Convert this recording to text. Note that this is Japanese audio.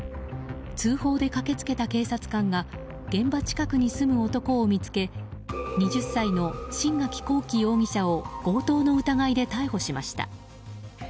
通報で駆け付けた警察官が現場近くに住む男を見つけ２０歳の新垣航輝容疑者を強盗の疑いで逮捕しました。